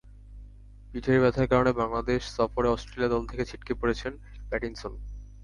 পিঠের ব্যথার কারণে বাংলাদেশ সফরে অস্ট্রেলিয়া দল থেকে ছিটকে পড়েছেন প্যাটিনসন।